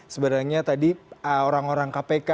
sebenarnya tadi orang orang kpk